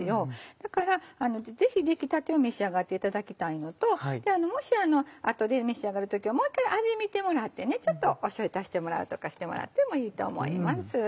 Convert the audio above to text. だからぜひ出来たてを召し上がっていただきたいのともし後で召し上がる時はもう一回味見てもらってちょっとしょうゆ足すとかしてもらってもいいと思います。